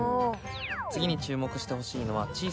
次に注目してほしいのは。